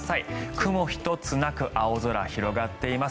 雲一つなく青空、広がっています。